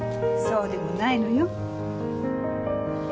そうでもないのよ。